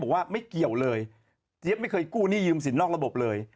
บอกว่าไม่เกี่ยวเลยเจี๊ยบไม่เคยกู้หนี้ยืมสินนอกระบบเลย